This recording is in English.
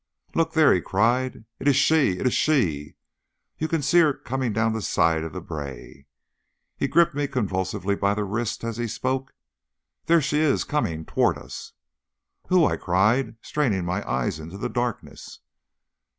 "Look there!" he cried. "It is she! It is she! You see her there coming down the side of the brae." He gripped me convulsively by the wrist as he spoke. "There she is, coming towards us!" "Who?" I cried, straining my eyes into the darkness.